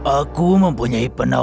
aku mempunyai penawaran untukmu